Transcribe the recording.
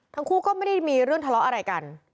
ทั้งคู่ก็ไม่ได้มีเรื่องทะเลาะอะไรกัน